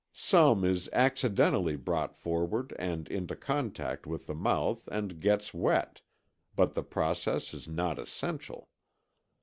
Some is accidentally brought forward and into contact with the mouth and gets wet, but the process is not essential.